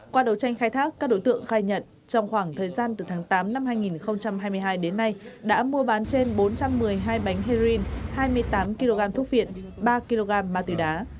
qua đấu tranh khai thác các đối tượng khai nhận trong khoảng thời gian từ tháng tám năm hai nghìn hai mươi hai đến nay đã mua bán trên bốn trăm một mươi hai bánh heroin hai mươi tám kg thuốc viện ba kg ma túy đá